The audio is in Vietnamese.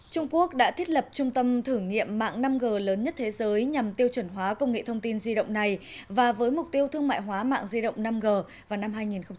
trung quốc đã thiết lập trung tâm thử nghiệm mạng năm g lớn nhất thế giới nhằm tiêu chuẩn hóa công nghệ thông tin di động này và với mục tiêu thương mại hóa mạng di động năm g vào năm hai nghìn ba mươi